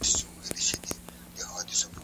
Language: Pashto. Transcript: د سياست پوهني اصول تل ثابت نه پاته کېږي.